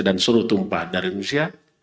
dan seluruh tumpah dari indonesia